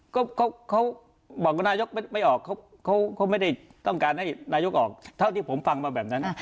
ก็เขาบอกว่านายกไม่ออกเขาไม่ได้ต้องการให้นายกออกเท่าที่ผมฟังมาแบบนั้น